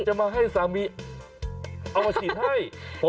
จะมาให้สามีเอามาฉีดให้